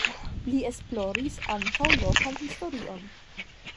Li esploris ankaŭ lokan historion.